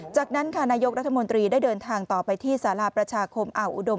จากนั้นค่ะนายกรัฐมนตรีได้เดินทางต่อไปที่สาราประชาคมอ่าวอุดม